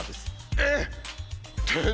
えっ！